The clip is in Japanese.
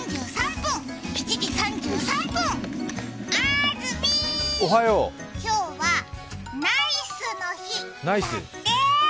あーずみー、今日はナイスの日だって！